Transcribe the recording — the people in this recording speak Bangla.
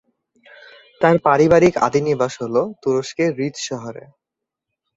তার পারিবারিক আদি নিবাস হলো তুরস্কের রিজ শহরে।